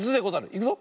いくぞ。